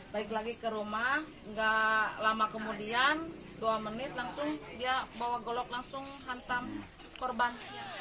balik lagi ke rumah nggak lama kemudian dua menit langsung dia bawa golok langsung hantam korban